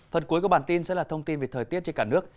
phần cuối của bản tin sẽ là thông tin về thời tiết trên cả nước